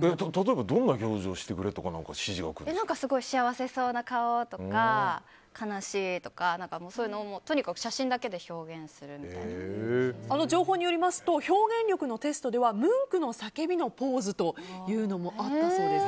例えばどんな表情してくれとか幸せそうな顔とか悲しいとか、そういうのをとにかく写真だけで情報によりますと表現力のテストではムンクの叫びのポーズというのもあったそうです。